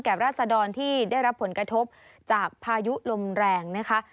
ราศดรที่ได้รับผลกระทบจากพายุลมแรงนะคะ